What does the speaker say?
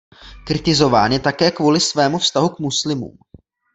Kritizován je také kvůli svému vztahu k muslimům.